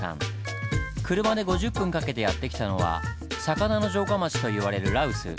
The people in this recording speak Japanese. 車で５０分かけてやって来たのは「魚の城下町」と言われる羅臼。